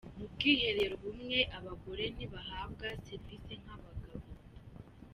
Mu bwiherero bumwe abagore ntibahabwa serivisi nk’abagabo